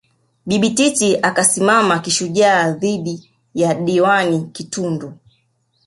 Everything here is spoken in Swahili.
Bibi Titi akasimama kishujaa dhidi ya Diwani Kitundu